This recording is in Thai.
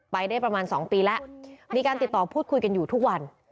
ไปได้ประมาณ๒ปีแล้วมีการติดต่อพูดคุยกันอยู่ทุกวัน